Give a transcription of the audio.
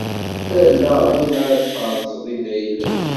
Ala ayen ara tḥerzeḍ i d ayla-k.